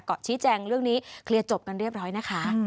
ก็ชี้แจงเรื่องนี้เคลียร์จบกันเรียบร้อยนะคะ